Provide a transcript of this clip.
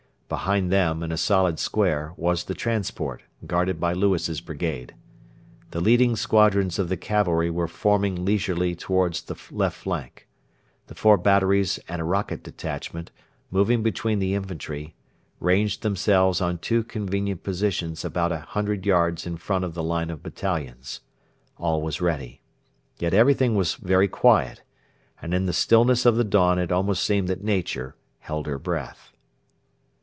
Behind them, in a solid square, was the transport, guarded by Lewis's brigade. The leading squadrons of the cavalry were forming leisurely towards the left flank. The four batteries and a rocket detachment, moving between the infantry, ranged themselves on two convenient positions about a hundred yards in front of the line of battalions. All was ready. Yet everything was very quiet, and in the stillness of the dawn it almost seemed that Nature held her breath.